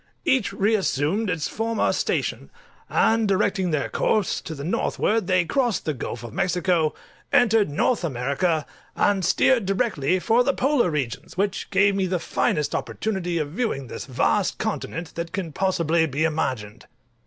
Each reassumed its former station; and directing their course to the northward, they crossed the Gulf of Mexico, entered North America, and steered directly for the Polar regions, which gave me the finest opportunity of viewing this vast continent that can possibly be imagined.